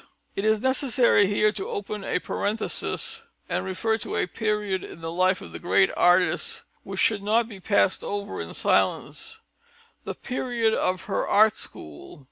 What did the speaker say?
It is necessary here to open a parenthesis and refer to a period in the life of the great artist which should not be passed over in silence: the period of her art school.